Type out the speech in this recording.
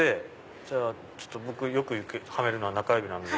じゃあ僕よくはめるのは中指なんで。